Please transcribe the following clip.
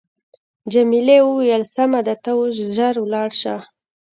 جميلې وويل: سمه ده ته اوس ژر ولاړ شه.